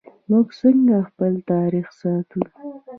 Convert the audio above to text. موږ څنګه خپل تاریخ ساتو؟